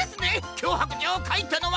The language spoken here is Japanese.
きょうはくじょうをかいたのは！